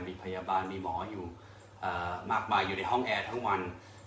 มีพยาบาลมีหมออยู่มากมายอยู่ในห้องแอร์ทั้งวัน